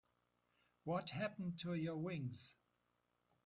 What happened to your wings?